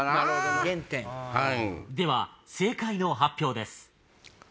では正解の発表です。